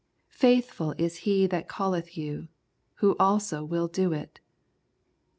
Faithful is He that calleth you, Who also will do it."